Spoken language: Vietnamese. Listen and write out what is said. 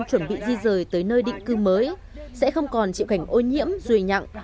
chuẩn bị di rời tới nơi định cư mới sẽ không còn chịu cảnh ô nhiễm ruồi nhặng